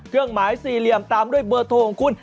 เครื่องหมายสี่เหลี่ยมตามด้วยเบอร์โทรของคุณ